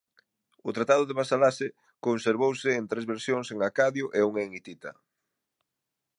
O tratado de vasalaxe conservouse en tres versións en acadio e unha en hitita.